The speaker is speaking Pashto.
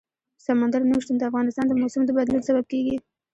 سمندر نه شتون د افغانستان د موسم د بدلون سبب کېږي.